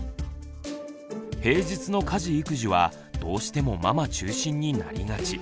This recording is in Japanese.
平日の家事育児はどうしてもママ中心になりがち。